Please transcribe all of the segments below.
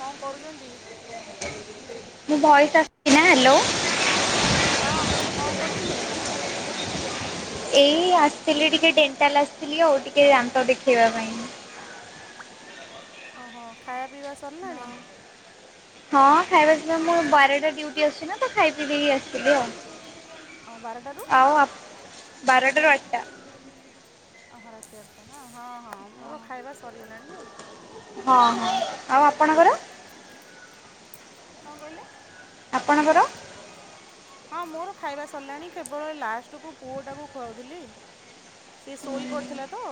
କଣ କରୁଛନ୍ତି? ମୁଁ ଭଏସ ଆସିଛି ନା ହ୍ୟାଲୋ। ହଁ ମୁଁ କହିଲି କଣ କରୁଥିଲେ? ଏଇ ଆସିଥିଲି ଟିକେ ଡେଣ୍ଟାଲ ଆସିଥିଲି ଆଉ ଟିକେ ଦାନ୍ତ ଦେଖେଇବା ପାଇଁ ହଁ ହଁ ଖାଇବା ପିଇବା ସରିଲାଣି? ହଁ। ହଁ ଖାଇବା ପିଇବା ମୁଁ ବାରଟା ଡୁଟି ଅଛି ନା ତ ଖାଇ ପିଇ ଦେଇ ଆସିଥିଲି ଆଉ। ଅଁ ବାରଟାରୁ। ଆଉ ଆପ୍ ବାରଟାରୁ ଆଟା। ଅଁ ହ ରାତିଆଟା ହଁ ହଁ ମୋର ଖାଇବା ସରିଗଲାଣି ଯେ ହଁ ହଁ ଆଉ ମାମା ଆପଣଙ୍କର? କଣ କହିଲେ? ଆପଣଙ୍କର? ହଁ ମୋର ଖାଇବା ସରିଲାଣି କେବଳ ଲାଷ୍ଟ କୁ ପୁଅ ଟାକୁ ଖୁଆଉଥିଲି। ସେ ଶୋଇ ପଡ଼ିଥିଲା ତ।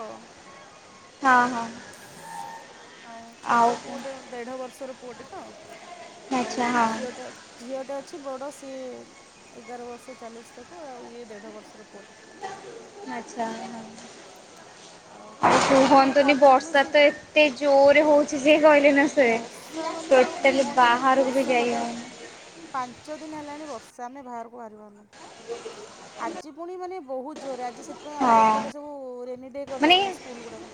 ହଁ ହଁ ଆଉ ଛୋଟ ପୁଅଟେ ଦେଢ଼ ବର୍ଷର ପୁଅଟେତ ଆଉ ଆଚ୍ଛା ହଁ। ଝିଅଟେ ଝିଅଟେ ଅଛି ବଡ଼। ସିଏ ଏଗାର ବର୍ଷ ଚାଲୁଛି ତାକୁ ଆଉ ଇଏ ଦେଢ଼ ବର୍ଷର ପୁଅଟେ। ଆଛା ଆଉ ଖାଇବା ପିଇବା ଆମେ ଫୋନ କଲି କରିଦେଇଥିଲୁ ସିଏ ବର୍ଷାତ ଏତେ ଜୋରେ ହଉଚି ଜେ କହିଲେ ନା ସରେ ବର୍ଷା ମାନେ ଆଉ ଟୋଟାଲି କୁହନ୍ତୁନି ବାହାରକୁ ବି ବର୍ଷା ଯାଇ କଥା ହଉନି। ପାଞ୍ଚ ଦିନ ହେଲାଣି ବର୍ଷା ଆମେ ବାହାରକୁ ବାହାରି ପାରୁନୁ। ଆଜି ପୁଣି ମାନେ ବହୁତ ଜୋରରେ ଆଜି ସେଥିପାଇଁ ଆମର ଏପଟେ ହଁ ସବୁ ରେନି ଡେ ମାନେ କରିଦେଇଚନ୍ତି ସ୍କୁଲ ଗୁଡ଼ାକ।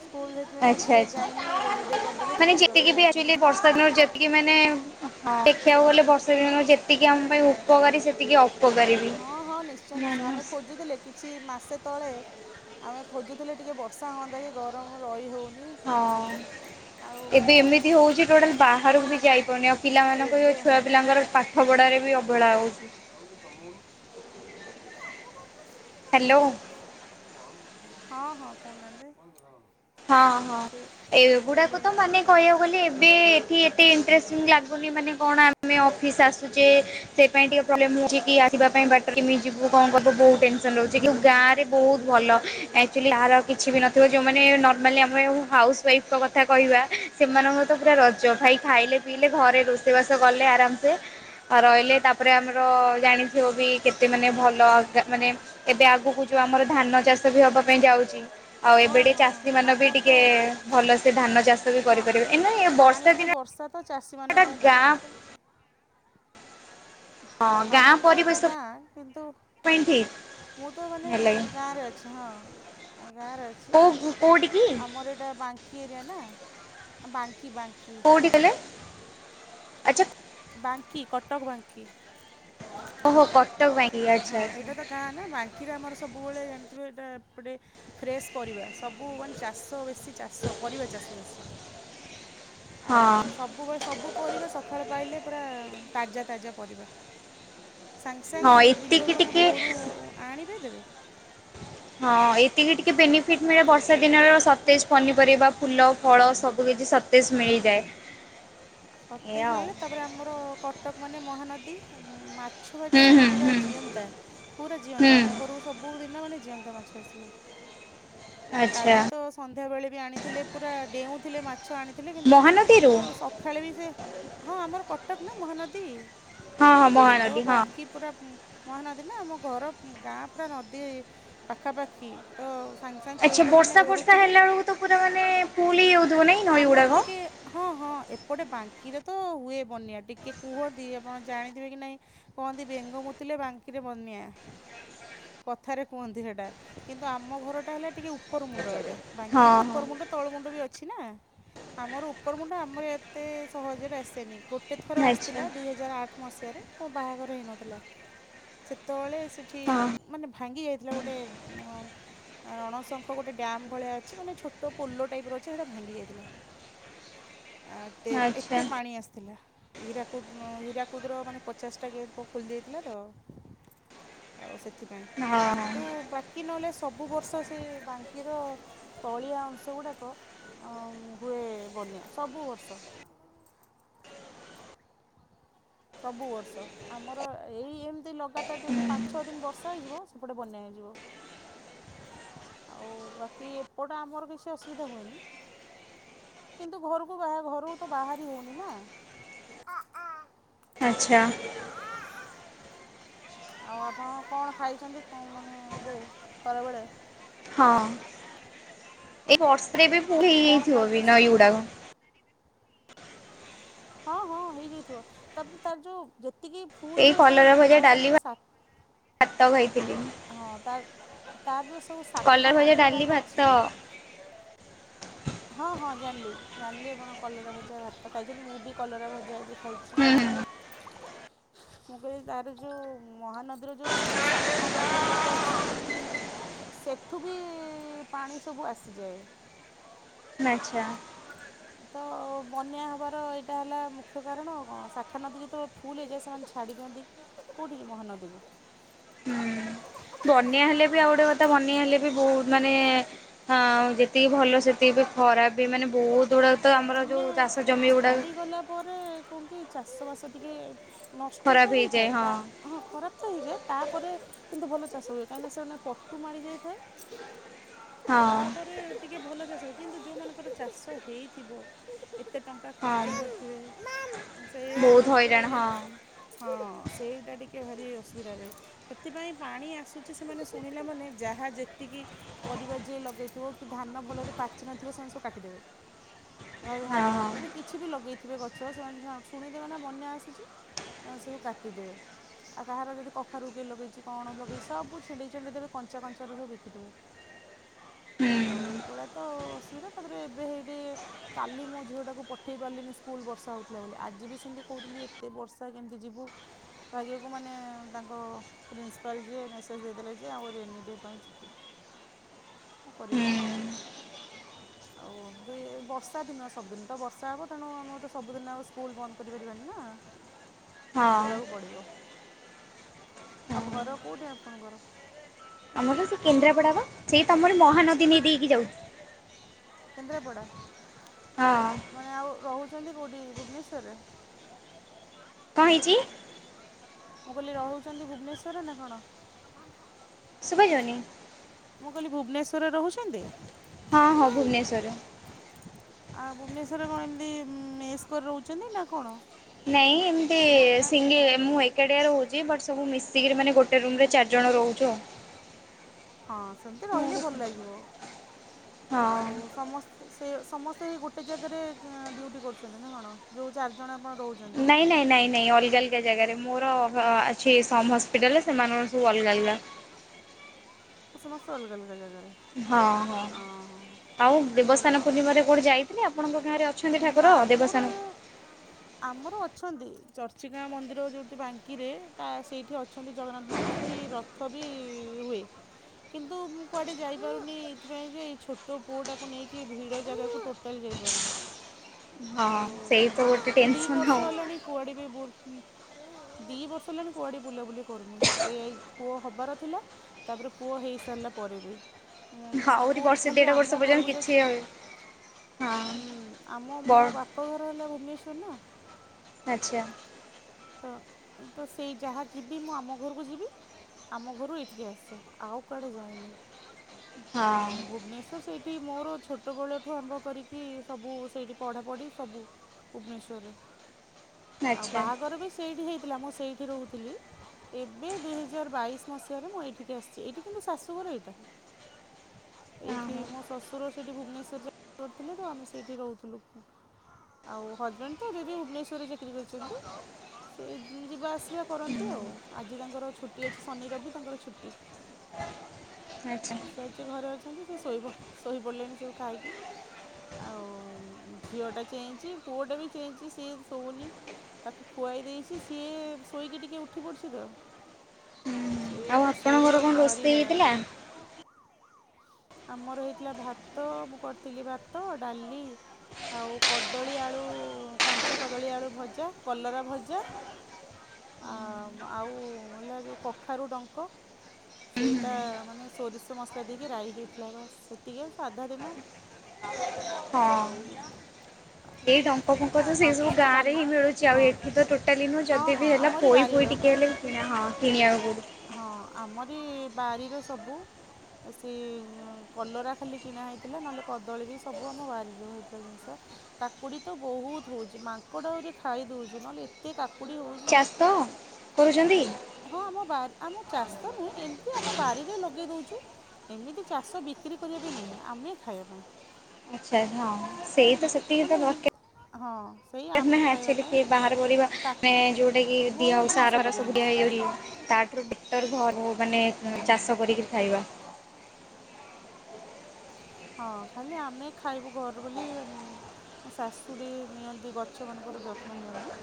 ସ୍କୁଲ ସେଥିପାଇଁ ମୋ ଆଚ୍ଛା ଝିଅ ଆଚ୍ଛା। ଯାଇନି ରେନିଡ୍ରେ କରିଦେଲେ ମାନେ ଛୁଟି ଯେତିକି ବି କରିଦେଲେ। ଆକ୍ଚୁଆଲି ବର୍ଷା ଦିନ ଯେତିକି ମାନେ ଦେଖିବାକୁ ଗଲେ ବର୍ଷାଦିନ ଯେତିକି ଆମ ପାଇଁ ଉପକାରୀ ସେତିକି ଅପକାରୀ ବି। ହଁ ହଁ ନିଶ୍ଚୟ ନିଶ୍ଚୟ। ଆମେ ଖୋଜୁଥିଲେ କିଛି ମାସେ ତଳେ ଆମେ ଖୋଜୁଥିଲେ ଟିକେ ବର୍ଷା ହୁଅନ୍ତା କି ଗରମ ରହି ହେଉନି। ହଁ ଆଉ ଏବେ ଏମିତି ହଉଚି ଟୋଟାଲ ବାହାରକୁ ବି ଯାଇପାରୁନି ଆଉ ପିଲାମାନଙ୍କବି ଏବେ ଛୁଆ ହଁ ପିଲାଙ୍କର ପାଠପଢ଼ାରେ ବି ଅବହେଳା ହେଉଚି। [unintelligible] ହ୍ୟାଲୋ। ହଁ ହଁ କହୁନାହାନ୍ତି। ହଁ ହଁ ସେ ମୁଁ କହିଲି ଏଗୁଡାକୁ ତ ଆଉ ମାନେ ବର୍ଷ କହିବାକୁ ଗଲେ ଏବେ ଏଠି ଏତେ ଲାଗୁନି ମାନେ କଣ ଆମେ ଅଫିସ ଆସୁଚେ ସେଇ ପାଇଁ ଟିକେ ପ୍ରୋବ୍ଲେମ ହଉଚି କି ଆସିବା ପାଇଁ ବାଟ କେମିତି ଯିବୁ କଣ କରିବୁ ବହୁତ ଟେନସନ ରହୁଚି। କି ଗାଁରେ ବହୁତ ଭଲ। ଆକଚୁଲି କାହାର କିଛି ବି ନଥିବ ଯୋଉମାନେ ମାଲେ ଆମେ ହାଉସ ୱାଇଫଙ୍କ କଥା କହିବା ସେମାନଙ୍କର ତ ପୁରା ରଜ। ଭାଇ ଖାଇଲେ ପିଇଲେ ଘରେ ରୋଷେଇବାସ କଲେ ଆରାମସେ ଆ ରଇଲେ। ତାପରେ ଆମର ଜାଣିଥିବ ବି କେତେ ମାନେ ଭଲ ଆ ତା ମାନେ ଏବେ ଆଗକୁ ଯୋଉ ଆମର ଧାନ ଚାଷ ବି ହବା ପାଇଁ ଯାଉଚି। ଆଉ ଏବେ ହଁ ଟ ହଁ ଚାଷୀ ମାନ ବି ଆମର ତ ଟିକେ ଭଲସେ ଧାନ ଚାଷ ବି ହଁ କରିପାରିବେ। ଏଇନା ଏଇ ପାଣି ବର୍ଷା ତ ଦିନେ ବର୍ଷା ତ ଚାଷୀମାନଙ୍କ ପାଇଁ ଦରକାର। [inaudible] ହଁ ଗାଁ ଆମର ତ ଏଇଟା ପରିବେଶ ଗାଁ କିନ୍ତୁ [unintelligible] ମୁଁ ତ ମାନେ ହେଲେ ଗାଁରେ ଅଛି ହଁ ମ ଗାଁରେ ଅଛି। କୋଉ କୋଉଠି କି ଆମର ଏଇଟା ବାଙ୍କି ଏରିଆ ନା ବାଙ୍କି ବାଙ୍କି। କେଉଁଠି କଲେ? ଆଚ୍ଛା ବାଙ୍କି କଟକ ବାଙ୍କି। ଓହୋ କଟକ ବ୍ୟାଙ୍କି ହଁ ଆଚ୍ଛା ଏଇଟା ଆଛା। ତ ଗାଁ ନା ବାଙ୍କିରେ ଆମର ସବୁବେଳେ ଜାଣିଥିବେ ଏପଟେ ଫ୍ରେସ ପରିବା। ସବୁ ମାନେ ଚା ଚାଷ ବେଶୀ ଚାଷ ପରିବା ଚାଷ ବେଶୀ। ଆଉ ହଁ ସବୁବେଳେ ସବୁ ପରିବା ସଖାଳୁ ପାଇଲେ ପୁରା ତାଜା ତାଜା ପରିବା। ହଁ ସାଙ୍ଗସଙ୍ଗ ଏତିକି ବିଲରୁ ମାନେ ଟିକେ ଭୋରୁ ଆଣିବେ ଦେବେ। ହଁ ଏତିକି ଟିକେ ବେନିଫିଟ ମିଳେ ବର୍ଷା ଦିନର ସ ତେଜ ପନିପରିବା ଫୁଲ ଫଳ ସବୁ କିଛି ସତେଜ ମିଳିଯାଏ। ଏଇଆ ସତେଇଶ ଆଉ। ମିଳେ ତାପରେ ଆମର କଟକ ମାନେ ମହାନଦୀ। ମା ଛିଅ ମାଛ ହୁଁ ବି ହୁଁ ପୁରା ହୁଁ ଜିଅନ୍ତା ପୁରା ହୁଁ ଜିଅନ୍ତା ଆମ ଘରକୁ ସବୁଦିନ ମାନେ ଜିଅନ୍ତା ମାଛ ଆସିବ। ଆଚ୍ଛା କାଲି ତ ସନ୍ଧ୍ୟା ବେଳେ ବି ଆଣିଥିଲେ ପୁରା ଡେଉଥିଲେ ମା ମାଛ ଆଣିଥିଲେ କିନ୍ତୁ ମହାନଦୀରୁ? ସକାଳେ- ବି-ସେ ହଁ ଆମର କଟକ ନା ମହାନଦୀ। ହଁ ହଁ କଟକ ମହାନଦୀ ହଁ। ବାଙ୍କୀ ପୁରା -ମହାନଦୀନା -ଆମ -ଘର ଗାଁ ପୁରା ନଦୀ ପାଖାପାଖି। ତ ସାଙ୍ଗେ ସାଙ୍ଗେ ଆଚ୍ଛା କେଉଟ ମାନେ ବର୍ଷା ଫର୍ଷା ଧରୁଥିବେ ହେଲା ବେଳକୁ ତ ପୁରା ମାନେ ଫୁଲ ହେଇଯାଉଥିବ ନାଇଁ ନଈ ଆମର ଗୁଡାକ? ଟିକେ ହଁ ହଁ ଏପଟେ ବାଙ୍କିରେ ତ ହୁଏ ବନ୍ୟା ଟିକେ କୁହନ୍ତି ଆପଣ ଜାଣିଥିବେ କି ନାହିଁ। କୁହନ୍ତିି ବେଙ୍ଗମୁତିଲେ ବାଙ୍କିରେ ବନ୍ୟା। କଥାରେ କୁହନ୍ତି ହେଟା କିନ୍ତୁ ଆମ ଘରଟା ହେଲା ଟିକଏ ଉପର ମୁଣ୍ଡ ଆଡ଼େ। ବାଙ୍କିରୁ ହଁ ହଁ। ଉପରମୁଣ୍ଡ ତଳମୁଣ୍ଡ ବି ଅଛି ନା ଆମର ଉପରମୁଣ୍ଡ ଆମର ଏ ଏତେ ସହଜରେ ଆସେନି ଗୋଟେ ଥର ଆଚ୍ଛା ଆସିଥିଲା ଦୁଇହଜାର ଆଠ ମସିହାରେ ମୋ ବାହାଘର ହେଇନଥିଲା। ସେତେବେଳେ ସେଠି ହଁ ମାନେ ଭାଙ୍ଗି ଯାଇଥିଲା ଗୋଟେ ନ ଆଣଶଙ୍ଖ ଗୋଟେ ଡ୍ୟାମ୍ ଭଳିଆ ଅଛି ମାନେ ଛୋଟ ପୋଲ ଟାଇପ୍ର ଅଛି ସେଇଟା ଭାଙ୍ଗି ଯାଇଥିଲା। ଆତେ ଆଚ୍ଛା ଏତେ ପାଣି ଆସିଥିଲା। ହୀରାକୁଦ ନ ହୀରାକୁଦର ମାନେ ପଚାଶଟା ଗେଟ୍ ଖୋଲି ଦେଇେଇଥିଲା ତ। ଆଉ ସେଥିପାଇଁ ହଁ ହଁ। କିନ୍ତୁ ବାକି କି ନହେଲେ ସବୁ ବର୍ଷ ସେ ବାଙ୍କିର ତଳିଆ ଅଂଶ ଗୁଡ଼ାକ ଅ ହୁଏ ବନ୍ୟା ସବୁ ବର୍ଷ। ସବୁ ବର୍ଷ ଆମର ଏଇ ଏମିତି ଲଗାତାର ଯେମିତି ପାଞ୍ଚ ଛଅ ଦିନ ବର୍ଷା ହେଇଯିବ ସେପଟେ ବନ୍ୟା ହେଇଯିବ। ଆଉ ବାକି ଏପଟ ଆମର କିଛି ଅସୁବିଧା ହୁଏନି। କିନ୍ତୁ ଘରୁ କୁ ଘରୁ ତ ବାହାରି ହଉନି। ଆଚ୍ଛା। ଆଉ ଆପଣ କଣ ଖାଇଚନ୍ତି ମାନେ ଏବେ ଖରାବେଳେ? ହଁ ଏଇବର୍ଷାରେ ଏବେ ଫୁଲ କଣ ହେଇଯାଇଥିବ ଖାଇକି ବି ନଈ ଆସିଛନ୍ତି? ଗୁଡାକ। ହଁ ହଁ ହେଇଯାଇଥିବ ତାପ ତାର ଯୋଉ ଯେତିକି ଫୁଲ ଏଇ ହୁଏ କଲରା ପାଣି ଭଜା ଆଉ ତାର ଡାଲି ଯୋଉ ସା ଭାତ ଖାଇଥିଲି। ହଁ ତା ତାର ଯୋଉ ସବୁ ଶାଖା କଲରା ଭଜା ନଦୀ ଡାଲି ଗୁଡ଼ାକ ଭାତ ଅଛି [inaudible] ହଁ ହଁ ଜାଣିଲି ଜାଣିଲି ଆପଣ କଲରା ଭଜା ଭାତ ଖାଇଛନ୍ତି ମୁଁ ବି କଲରା ଭଜା ଆଜିଖାଇଛି। ହୁଁ ମୁଁ କହିଲି ତାର ଯୋଉ ମହାନଦୀର ଯୋଉ ସବୁଶା ଖା ନଦୀ ଗୁଡ଼ାକ ଅଛି ସେଠୁ ବି ପାଣି ସବୁ ଆସିଯାଏ। ଆଚ୍ଛା। ତ ବନ୍ୟା ହବାର ଏଇଟା ହେଲା ମୁଖ୍ୟ କାରଣ କଣ ଶାଖା ନଦୀ ଯେତେବେଳେ ଫୁଲ ହେଏଯା ସେମାନେ ଛାଡ଼ି ଦିଅନ୍ତି କେଉଠିକି? ମହାନଦୀକୁ। ବନ୍ୟା ହେଲେ ବି ଆଉ ଗୋଟେ କଥା ବନ୍ୟା ହେଲେ ବି ବହୁ ମାନେ ହଁ ଆଉ ଯେତିକି ଭଲ ସେତିକି ବି ଖରାପ ବି ମାନେ ବହୁତ ଗୁଡା ବନ୍ୟା ଛାଡ଼ିଗଲା ପରେ କଅଁ କି ଚାଷବାସ ଟିକେ ନଷ୍ଟ ଖରାପ ତ ହେଇଯାଏ ହେଇଥାଏ ତା ହଁ ହଁ ଖରାପ ତ ହେଇଯା ତାପରେ, କିନ୍ତୁ ଭଲ ଚାଷ ହୁଏ କାଇଲେ ସେମାନେ ପଟୁ ମାଡି ଯାଇଥାଏ। ହଁ ତାପରେ ଟିକେ ଭଲ ଚାଷ ହ କିନ୍ତୁ ଯୋଉ ମାନଙ୍କର ଚାଷ ହେଇଥିବ ଏତେ ଟଙ୍କା ହଁ ଖର୍ଚ୍ଚ କରିଥିବେ ସେଇଆ ବହୁତ ନଷ୍ଟ ହଇରାଣ ହେଇଯାଇ, ହଁ ହଁ, ସେଇଟା ଟିକେ ଭାରି ଅସୁବିଧା ରହେ। ସେଥିପାଇଁ ପାଣି ଆସୁଛି ସେମାନେ ଶୁଣିଲା ମାନେ ଯାହା ଯେତିକି ପରିବା ଯିଏ ଲଗେଇଥିବ କି ଧାନ ଭଲରେ ପାଚି ନଥିବ ସେମାନେ ସବୁ କାଟିଦେବେ। ହଁ ଯାହାର ହଁ ମାନେ କିଛି ବି ଲଗେଇଥିବେ ଗଛ ସେମାନେ ଶୁଣିଦେବେ ନା ବନ୍ୟା ଆସୁଛି, ଆ ସବୁ କାଟିଦେବେ। ଆଉ କାହାର ଯଦି କଖାରୁ କିଏ ଲଗେଇଚି କଣ ଲଗେଇଚି ସବୁ ଛିଣ୍ଡେଇ ଛିଣ୍ଡେଇ ଦେବେ କଞ୍ଚା କଞ୍ଚାରୁ ସବୁ ବିକିଦେବେ। ହୁଁ ଆଉ ଏଇଭଳିଆ ତ ଅସୁବିଧା ତାପରେ ଏବେ ହେଇଠି କାଲି ମୋ ଝିଅଟାକୁ ପଠେଇ ପାରିଲିନି ସ୍କୁଲ ବର୍ଷା ହେଉଥିଲା ବୋଲି ଆଜି ବି ସେମିତି କହୁଥିଲି ଏତେ ବର୍ଷା କେମିତି ଯିବୁ। ପାଗିଆ କୁ ମାନେ ତାଙ୍କ ପ୍ରିନ୍ସିପାଲ୍ ଯିଏ ମେସେଜ୍ ଦେଇଦଲେ ଯେ ଆଉ ରେନି ଡେ ପାଇଁ ଛୁଟି। କଣ କରିବେ? ହୁଁ। ଆଉ ବି ବର୍ଷ ସା ଦିନ ସବୁଦିନ ତ ବର୍ଷା ହେବ ତେଣୁ ଆମେ ତେ ସବୁଦିନ ଆଉ ସ୍କୁଲ ବନ୍ଦ କରିପାରିବାନି ନା। ହଁ ଯିବାକୁ ପଡିବ ହଁ ଆଉ ଘର କୋଉଠି ଆପଣଙ୍କର? ଆମର ସେ କେନ୍ଦ୍ରାପଡା ବା ସେଇ ତମର ମହାନଦୀ ନେଇ ଦେଇକି ଯାଉଚୁ। କେନ୍ଦ୍ରାପଡ଼ା ହଁ ମାନେ ଆଉ ରହୁଚନ୍ତି କେଉଁଠି ଭୁବନେଶ୍ୱରରେ? କଣ ହେଇଚି? ମୁଁ କହିଲି ରହୁଚନ୍ତି ଭୁବନେଶ୍ଵରରେ ନା କଣ? ସୁଭାଯାଉନି? ମୁଁ କହିଲି ଭୁବନେଶ୍ୱର ରେ ରହୁଛନ୍ତି? ହଁ ହଁ ଭୁବନେଶ୍ଵରରେ। ଆଉ ଭୁବନେଶ୍ଵର ରେ କଣ ଏମିତି ମେସ କରି ରହୁଚନ୍ତି ନା କଣ? ନାଇଁ ଏମିତି ସିଙ୍ଗି ମୁଁ ଏକାଡିଆରେ ରହୁଚି ବଟ୍ ସବୁ ମିଶିକିରି ମାନେ ଗୋଟେ ଟେ ରୁମ୍ ରେ ଚାରି ଜଣ ରହୁଚୁ ଆଉ। ହଁ ସେମିତି ରହିଲେ ଭଲ ଲାଗିବ। ହଁ ଆଉ ସମସ୍ତେ ସେ ସମସ୍ତେ ହେ ଗୋଟେ ଜାଗାରେ ଏଁ ଡ୍ୟୁଟି କରୁଚନ୍ତି ନା କଣ ଯୋଉ ଚାରିଜଣ ଆପଣ ରହୁଚ? ନାଇଁ ନାଇଁ ନାଇଁ ନାଇଁ ଅଲଗା ଅ ଅଲଗା ଜାଗାରେ ମୋର ଅ ଅଛି ସମ୍ ହସ୍ପିଟାଲରେ ସେମାନଙ୍କ ସବୁ ଅଲଗା ଅଲଗା। ତ ସମସ୍ତେ ଅଲଗା ଅଲଗା ଜାଗାରେ। ହଁ ହଁ ଅ ଆଉ ଦେବସ୍ଥାନ ଭଲ। ପୂର୍ଣ୍ଣିମାରେ କୁଆଡେ ଯାଇଥିଲି ଆପଣଙ୍କ ଗାଁରେ ଅ ଅଛନ୍ତି ନା ଠାକୁର ମୋର ଦେବସାନ ଆମର ଅଛନ୍ତି ଚର୍ଚ୍ଚିଗାଁ ମନ୍ଦିର ଯେଉଁଠି ବାଙ୍କିରେ ତା ସେଇଠି ଅଛନ୍ତି ଜଗନ୍ନାଥ ମନ୍ଦିର ସେଇଠି ର ଥ ବି ହୁଏ। କିନ୍ତୁ ମୁଁ କୁଆଡେ ଯାଇପାରୁନି ଏଥିପାଇଁ ଯେ ଏଇ ଛୋଟ ପୁଅ ଟାକୁ ନେଇକି ଭିଡ଼ ଜାଗାକୁ ଟୋ ଟୋଟାଲ ଯାଇପାରୁନି। ହଁ ଆଉ ସେଇ ତ ଗୋଟେ ଟେନସନ୍ ଆଉ। କୁଆଡ଼ି ବି ବୁଲ ଦି ବର୍ଷ ହେଲାଣି କୁଆଡେ ବୁଲାବୁଲି କରୁନି ଏ ଏଇ ପୁଅ ହବାର ଥିଲା ତାପରେ ପୁଅ ହେଇସାରିଲା ପରେ ବି। ମୁଁ ମାନେ ଆହୁରି କଉଠି ବର୍ଷେ ଖାଲି ଦେଢ଼ ବର୍ଷ ଆମ ପର୍ଯ୍ୟନ୍ତ ଘରକୁ କିଛି ଯାଉଚି ଆଉ ହଁ ହୁଁ। ଆମ ବ ମୋ ବାପଘର ହେଲା ଭୁବନେଶ୍ୱର ନା। ଆଚ୍ଛା। ତ ତ ସେଇ ଯାହା ଯିବି ମୁଁ ଆମ ଘରକୁ ଯିବି ଆମ ଘରୁ ଏଇଠିକି ଆସେ ଆଉ କୁଆଡେ ଯାଏନି ଆଉ ହଁ ଭୁବନେଶ୍ଵ ସ ସେଇଠି ମୋର ଛୋଟବେଳଠୁ ଆରମ୍ଭ କରିକି ସବୁ ସେଇଠି ପଢ଼ାପଢ଼ି ସବୁ ଭୁବନେଶ୍ଵରରେ ଆଉ ଆଚ୍ଛା ବାହାଘର ବି ସେଇଠି ହେଇଥିଲା ମୁଁ ସେଇଠି ରହୁଥିଲି ଏବେ ଦୁଇ ହଜାର ବାଇଶି ମସିହାରେ ମୁଁ ଏଇଠିକି ଆସିଚି ଏଇଠି କିନ୍ତୁ ଶାଶୁଘର ଏଇଟା। ଏଇଠି ଓହୋ ମୋ ଶ୍ୱଶୁର ସେଇଠି ଭୁବନେଶ୍ବରରେ ଜବ କରିଥିଲେ ତ ଆମେ ସେଇଠି ରହୁଥିଲୁ। ଆଉ ହଜବେଣ୍ଡ ତ ଏବେ ବି ଭୁବନେଶ୍ୱରରେ ଚାକିରି କରିଚନ୍ତି। ସେ ଯିବା ଆସିବା କରନ୍ତି ଆଉ। ଆଜି ତାଙ୍କର ଛୁଟି ଅଛି ଶନି, ରବି ତାଙ୍କର ଛୁଟି। ଆଚ୍ଛା। ସେ ଆଜି ଘରେ ଅଛନ୍ତି, ସେ ଶୋଇ ଶୋଇପଡିଲେଣି ସବୁ ଖାଇକି। ଆଉ ଝିଅଟା ଚେଇଁଚି ପୁଅଟା ବି ଚେଇଁଚି ସିଏ ଶୋଉନି। ତାକୁ ଖୁଆଇ ଦେଇଚି ସିଏ ଶୋଇକି ଟିକେ ଉଠି ପଡ଼ିଚି ତ। ସେ ଆଉ ଏବେ ଆପଣଙ୍କର କଣ ଶୋଇବାକୁ ଭାରି ରୋଷେଇ ହଇରାଣ ହେଇଥିଲା? କରିବ। ଆମର ହେଇଥିଲା ଭାତ ମୁଁ କରିଥିଲି ଭାତ, ଡାଲି ଆଉ କଦଳୀ ଆଳୁ କଞ୍ଚା କଦଳୀ ଆଳୁ ଭଜା, କଲରା ଭଜା ଆ ଆଉ ହେଲା ଯଉ କଖାରୁ ଡଙ୍କ ସେଇଟା ମାନେ ସୋରିଷ ମସଲା ଦେଇକି ରାଇ ହେଇଥିଲା ବାସ୍। ସେତିକି ଆଉ ସାଧା ଦିନ। ହଁ। ଆଉ ଏଇ ଡଙ୍କ ଫଙ୍କ ତ ସେଇ ମାଛ ସବୁ ଗାଁରେ କାଲି ହିଁ ମିଳୁଚି। ଆଉ ହଁ ଏଠି ତ ଟୋ ଟାଲି ନୁହଁ, ହଁ ଯଦି ହଁ ବି ହେଲା ଆମରି ପୋଇ ଫୋଇ ବାରିର ଟିକେ ହେଲେ ବି କିଣିବା ହଁ କିଣିବାକୁ ପଡୁଚି। ହଁ ଆମରି ବାରିର ସବୁ। ଆ ସେ କଲରା ଖାଲି କିଣା ହେଇଥିଲା। ନହେଲେ କଦଳୀ ବି ସବୁ ଆମ ବାରିରେ ହୋଇଥିବା ଜିନିଷ। କାକୁଡ଼ି ତ ବହୁତ୍ ହଉଚି। ମାଙ୍କଡ଼ ଆହୁରି ଖାଇ ଦଉଚି। ନହେଲେ ଏ ଏତେ କାକୁଡ଼ି ହଉଚି। ଚାଷ କରୁଛନ୍ତି? ହଁ ଆମ ବାର୍ ଆମ ଚାଷ ନୁହେଁ। ଏମିତି ଆମ ବାରିରେ ଲଗେଇ ଦଉଚୁ। ଏମିତି ଚାଷ ବିକ୍ରି କରିବା ପାଇଁ ନୁହେଁ, ଆମେ ଖାଇବା ପାଇଁ। ଆଚ୍ଛା ହଁ। ସେଇ ତ ସେତିକି ମାନେ ହଁ ସେଇ ଦରକାର ଆମେ ନା ଖାଇବା ଆକଚୁଆଲି ପାଇଁ କିଏ ବାହାର ପରିବା କା ମାନେ ଯୋଉଟା କିି ଦିଆ ବହୁତ ହଉ ଜିନିଷ ସାର ଫାର ସବୁ ଦିଆ ଲଗାହେଇଛି ହେଇଯାଉଚି। ତା ଠାରୁ ବେଟର ଘରୁ ମାନେ ହୁଁ ଚାଷ କରିକି ଖାଇବା। ହଁ। ଖାଲି ଆମେ ଖାଇବୁ ଘରୁ ବୋଲି ମୋ ଶାଶୁ ଟିକେ ନିଅନ୍ତି ଗଛ ମାନଙ୍କର ଯତ୍ନ ନିଅନ୍ତି।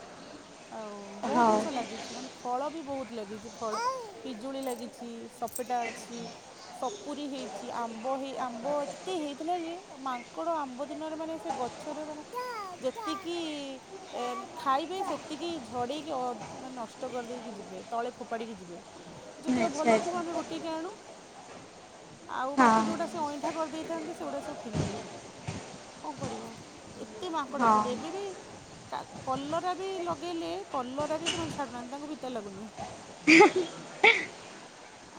ଆଉ ବହୁତ ହଉ ଜିନିଷ ଲାଗିଚି। ମାନେ ଫଳ ବି ବହୁତ ଲାଗିଚି। ଫଳ ପିଜୁଳି ଲାଗିଚି, ସପେଟା ଅଛି। ସପୁରି ହେଇଚ। ଆମ୍ବ ହେଇ ଆମ୍ବ ଏତେ ହେଇଥିଲା ଯେ ମାଙ୍କଡ ଆମ୍ବ ଦିନରେ ମାନେ ସେ ଗଛରେ ମାନେ ଯେତିକି ଏ ଖାଇବେ ସେତିକି ଝଡ଼େଇକି ମାନେ ଅ ନଷ୍ଟ କରିଦେଇକି ଯିବେ। ତଳେ ଫୋପାଡ଼ିକି ଯିବେ। ହ ଯେତିକ ଆଚ୍ଛା ଭଲ ଥିବ ଆଚ୍ଛା ଆମେ ଗୋଟେଇକି ଆଣୁ। ଆଉ ବାକି ହଁ ଯଉଟା ସେ ଅଇଁଠା କରିଦେଇ ଥାନ୍ତି ସେଗୁଡ଼ା ସବୁ ଫିଙ୍ଗିଦଉ। କଣ କରିବୁ ଆଉ। ଏତେ ମାଙ୍କଡ଼ ହଁ ଆସନ୍ତି। ଏବେ ବି କା କଲରା ବି ଲଗେଇଲେ କଲରା ବି ସେମାନେ ଛାଡ଼ୁନାହାନ୍ତି ତାଙ୍କୁ ପିତା ଲାଗୁନି। ହ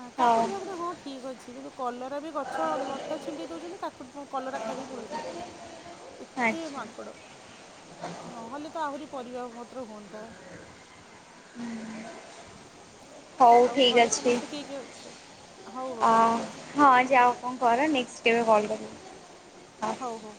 ଆ କାକୁଡି ଫାକୁଡି ହଁ ଠିକ୍ ଅଛି। କିନ୍ତୁ କଲରା ବି ଗଛ ଲଟା ଛି ଛିଣ୍ଡେଇ ଦେଉଛନ୍ତି କା କଲରା ଖାଇ ଦେଇ ପଳଉଛନ୍ତି। ଏତେ ଆଚ୍ଛା। ମାଙ୍କଡ଼। ନହେଲେ ତ ଆହୁରି ପରିବା ପତ୍ର ହୁଅନ୍ତା। ହଉ ଆଉ ଠିକ୍ ଘରେ ଅଛି। ସମସ୍ତେ କିଏ କିଏ ଅଛ ହଉ ହଉ ଠିକ୍ ଅଛି। ହଁ ଯାଅ କଣ କର, ନେକ୍ସଟ୍ କେବେ କଲ୍ କରିବି। ହଉ ହଉ।